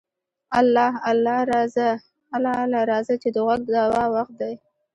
اله اله راځه چې د غوږ د دوا وخت دی.